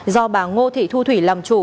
do bà ngô thị thu thủy làm chủ